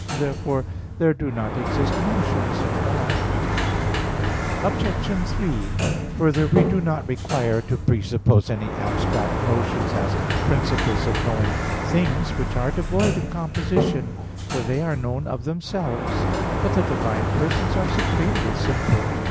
Therefore there do not exist notions in God. Obj. 3: Further, we do not require to presuppose any abstract notions as principles of knowing things which are devoid of composition: for they are known of themselves. But the divine persons are supremely simple.